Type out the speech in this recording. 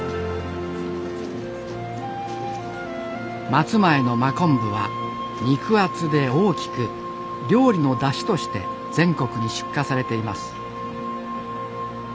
松前の真昆布は肉厚で大きく料理のだしとして全国に出荷されています。